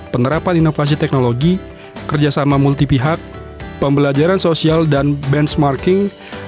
penerapan inovasi teknologi kerjasama multipihak pembelajaran sosial dan benchmarking